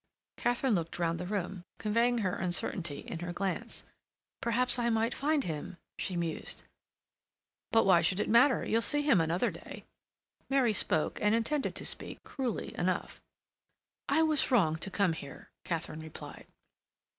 Katharine looked round the room, conveying her uncertainty in her glance. "Perhaps I might find him," she mused. "But why should it matter? You'll see him another day." Mary spoke, and intended to speak, cruelly enough. "I was wrong to come here," Katharine replied.